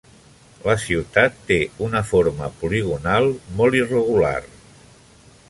La ciutat té una forma poligonal molt irregular.